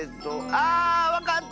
あわかった！